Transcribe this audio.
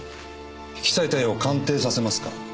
引き裂いた絵を鑑定させますか？